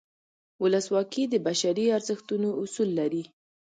ولسواکي د بشري ارزښتونو اصول لري.